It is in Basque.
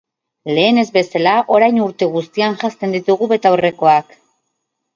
Lehen ez bezala, orain urte guztian janzten ditugu betaurrekoak.